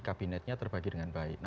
kabinetnya terbagi dengan baik